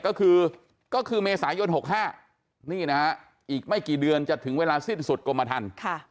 ก็คือก็คือเมษายน๖๕นี่นะฮะอีกไม่กี่เดือนจะถึงเวลาสิ้นสุดกรมทัน